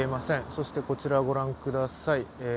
そしてこちら御覧ください。